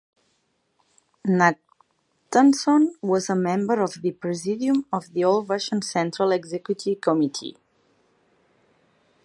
Natanson was a member of the Presidium of the All-Russian Central Executive Committee.